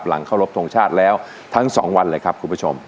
หลังเข้ารสปฐงชาติแล้วทั้ง๒วันเลยครับคุณผู้ชม